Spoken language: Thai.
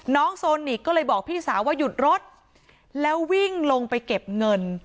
โซนิกก็เลยบอกพี่สาวว่าหยุดรถแล้ววิ่งลงไปเก็บเงิน